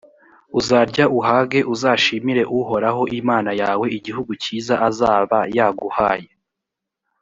uzarya uhage, uzashimire uhoraho imana yawe igihugu cyiza azaba yaguhaye.